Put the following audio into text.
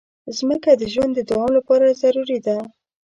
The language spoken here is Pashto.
مځکه د ژوند د دوام لپاره ضروري ده.